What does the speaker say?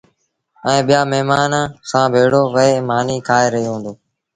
ائيٚݩٚ ٻيآݩ مهمآݩآنٚ سآݩٚ ڀيڙو ويه مآݩيٚ کآئي رهيو هُݩدو۔